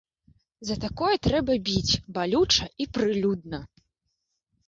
За такое трэба біць, балюча і прылюдна.